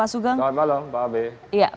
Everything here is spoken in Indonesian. selamat malam pak abe